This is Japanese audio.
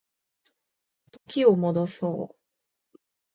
時を戻そう